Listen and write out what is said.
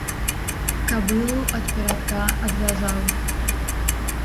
Кабылу ад перадка адвязаў.